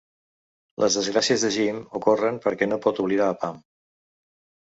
Les desgràcies de Jim ocorren perquè no pot oblidar a Pam.